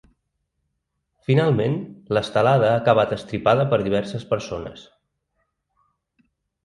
Finalment, l’estelada ha acabat estripada per diverses persones.